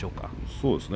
そうですね。